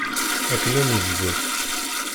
Akken ad nezdel.